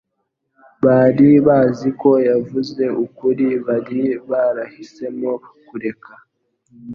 Bari bazi ko yavuze ukuri. Bari barahisemo kureka